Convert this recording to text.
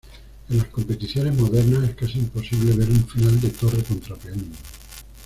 En las competiciones modernas es casi imposible ver un final de torre contra peón.